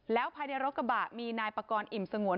แล้วภายในรถกระบะมีนายปกรณ์อิ่มสงวน